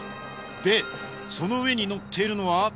でその上に乗っているのは？